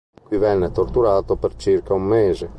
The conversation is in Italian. Qui venne torturato per circa un mese.